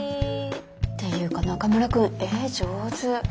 っていうか中村くん絵上手。